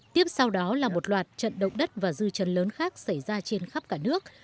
tiếp sau đó là một loạt trận động đất và dư chấn lớn khác xảy ra trên khắp cả nước